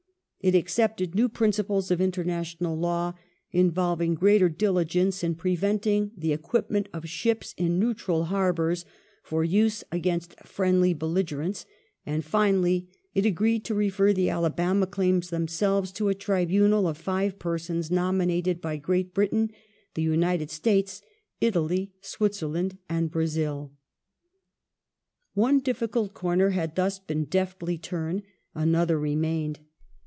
It accepted new principles of international law, involving greater diligence in preventing the equipment of ships in neutral harbours for use against friendly belligerents, and finally it agreed to refer the Alabama claims themselves to a tribunal of five persons nominated by Great Britain, the United States, Italy, Switzerland, and Brazil. The One difficult corner had thus been deftly turned : another re A^bitra "^^^^^d.